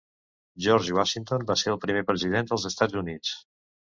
George Washington va ser el primer president dels Estats Units.